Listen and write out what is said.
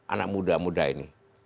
anak muda muda ini